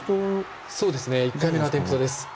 １回目のアテンプトです。